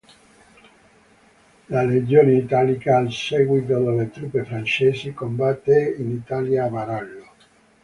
La Legione Italica, al seguito delle truppe francesi, combatté in Italia a Varallo.